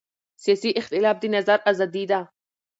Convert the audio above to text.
سیاسي اختلاف د نظر ازادي ده